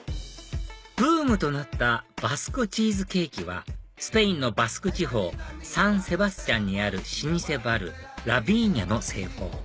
⁉ブームとなったバスクチーズケーキはスペインのバスク地方サンセバスチャンにある老舗バルラ・ヴィーニャの製法